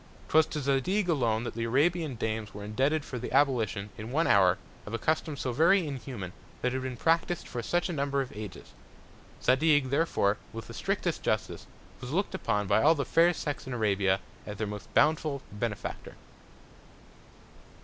'Twas to Zadig alone that the Arabian Dames were indebted for the Abolition, in one Hour, of a Custom so very inhuman, that had been practis'd for such a Number of Ages. Zadig, therefore, with the strictest Justice, was look'd upon by all the Fair Sex in Arabia, as their most bountiful Benefactor.